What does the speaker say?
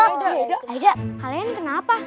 aida kalian kenapa